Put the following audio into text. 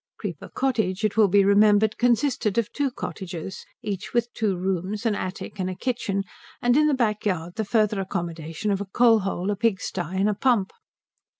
Creeper Cottage, it will be remembered, consisted of two cottages, each with two rooms, an attic, and a kitchen, and in the back yard the further accommodation of a coal hole, a pig stye, and a pump.